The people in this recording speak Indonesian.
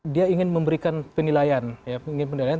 dia ingin memberikan penilaian